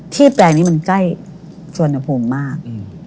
ที่แบรนด์นี้มันใกล้ส่วนอภูมิมาก